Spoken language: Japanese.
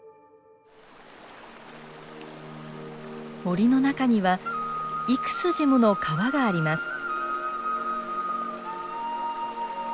森の中には幾筋もの川があります。